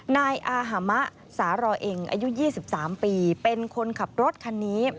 นายอาหามะสารอเองอายุ๒๓ปีเป็นคนขับรถคันนี้